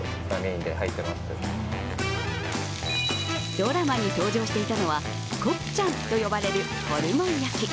ドラマに登場していたのはコプチャンと呼ばれるホルモン焼き。